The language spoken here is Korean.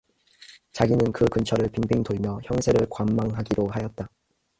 자기는 그 근처를 빙빙 돌며 형세를 관망하기로 하였다.